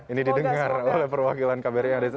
ini didengar oleh perwakilan kbri